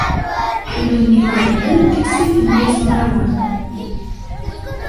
Ḥemmlen igerdan tissit n yiẓmawen.